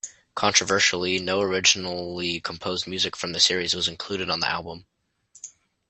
Controversially, no originally composed music from the series was included on the album.